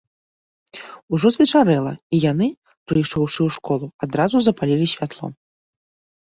Ужо звечарэла, і яны, прыйшоўшы ў школу, адразу запалілі святло.